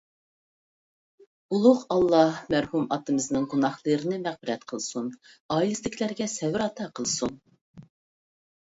ئۇلۇغ ئاللاھ مەرھۇم ئاتىمىزنىڭ گۇناھلىرىنى مەغپىرەت قىلسۇن. ئائىلىسىدىكىلەرگە سەۋر ئاتا قىلسۇن.